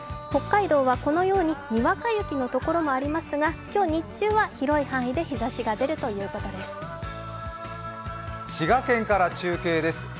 北海道はこのように、にわか雪のところもありますが、今日日中は広い範囲で日ざしが出るということです。